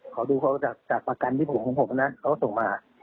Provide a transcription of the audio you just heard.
ขอดูเขาจากประกันที่ผมของผมนะเขาก็ส่งมา